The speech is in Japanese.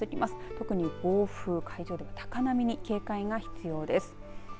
特に暴風海上では高波に警戒が必要です。